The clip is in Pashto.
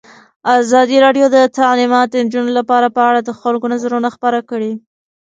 ازادي راډیو د تعلیمات د نجونو لپاره په اړه د خلکو نظرونه خپاره کړي.